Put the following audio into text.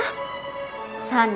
iya tante beneran